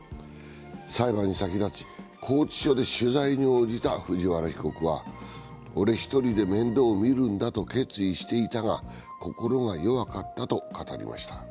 裁判に先立ち、拘置所で取材に応じた藤原被告は俺一人で面倒を見るんだと決意していたが心が弱かったと語りました。